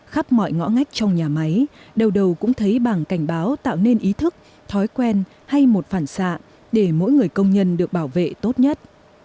khắp mọi ngõ ngách trong nhà máy đầu đầu cũng thấy bảng cảnh báo tạo nên ý thức thói quen hay một phản xạ để mỗi người công nhân được bảo vệ tốt nhất